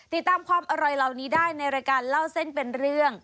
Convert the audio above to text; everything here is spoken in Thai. ติดตามความอร่อยเหล่านี้ได้ในรายการเล่าเส้นเป็นเรื่อง